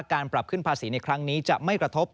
การปรับขึ้นภาษีในครั้งนี้จะไม่กระทบ